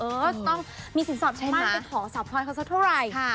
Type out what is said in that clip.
เอิ๊ยต้องมีสินสอดที่มากไปขอสะพานเขาเท่าไหร่